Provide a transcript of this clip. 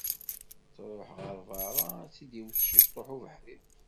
Truḥ ɣer berra ad tt-id-iwet ciṭuḥ ubeḥri.